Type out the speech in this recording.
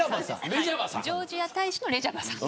ジョージア大使のレジャバさん。